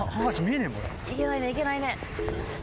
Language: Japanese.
いけないねいけないね。